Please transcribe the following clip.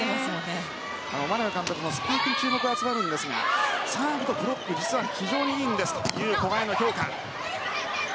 眞鍋監督もスパイクに注目が集まるんですがサーブとブロックも実は非常にいいんですという古賀への評価。